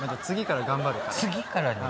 次から頑張るから。